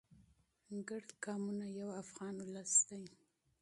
ټول قومونه یو افغان ولس دی.